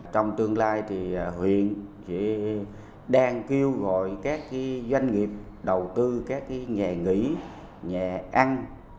trong tương lai thì huyện chỉ đang kêu gọi các doanh nghiệp đầu tư các cái nhà nghỉ nhà ăn